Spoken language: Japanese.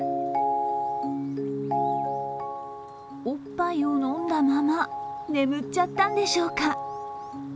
おっぱいを飲んだまま眠っちゃったんでしょうか。